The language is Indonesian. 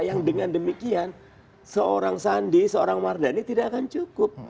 yang dengan demikian seorang sandi seorang mardhani tidak akan cukup